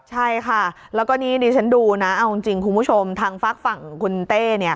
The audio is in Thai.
ใช่ค่ะแล้วก็นี่ดิฉันดูนะเอาจริงคุณผู้ชมทางฝากฝั่งคุณเต้